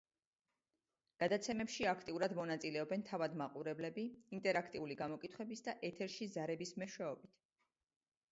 გადაცემებში აქტიურად მონაწილეობენ თავად მაყურებლები, ინტერაქტიული გამოკითხვების და ეთერში ზარების მეშვეობით.